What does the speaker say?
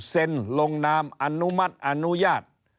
ลงนามอนุมัติอนุญาต